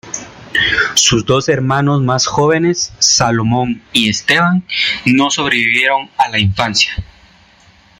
Sus dos hermanos más jóvenes —Salomón y Esteban— no sobrevivieron a la infancia.